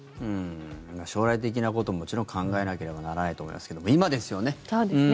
将来的なことももちろん考えなければならないと思いますけれども今ですよね。